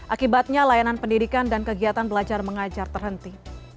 akibatnya layanan pendidikan dan kegiatan belajar mengajar terhenti